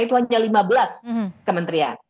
itu hanya lima belas kementerian